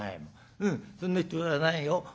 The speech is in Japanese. うんそんな人じゃないよ。